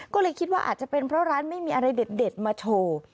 ก็เลยคิดว่าอาจจะเป็นเพราะร้านไม่มีอะไรเด็ดมาโชว์